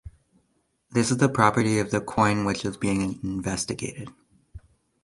This is the property of the coin which is being investigated.